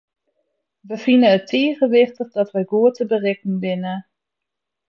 Wy fine it tige wichtich dat wy goed te berikken binne.